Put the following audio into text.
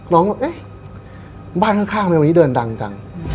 น้องก็เอ๊ะบ้านข้างในวันนี้เดินดังจัง